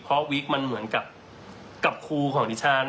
เพราะวิกมันเหมือนกับครูของดิฉัน